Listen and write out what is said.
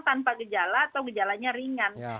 tanpa gejala atau gejalanya ringan